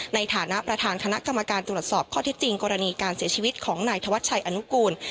ในฐานะประธานคณะกรรมการตรวจสอบข้อเท็จจริงกรณีการเสียชีวิตของนายธวัชชัยอนุกูล